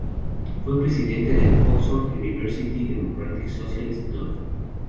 Fue presidente del "Oxford University Democratic Socialist Club".